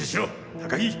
高木！